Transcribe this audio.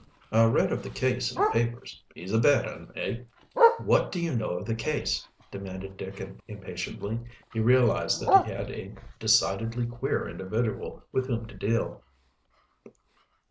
"I read of the case in the papers. He's a bad un, eh?" "What do you know of the case?" demanded Dick impatiently. He realized that he had a decidedly queer individual with whom to deal.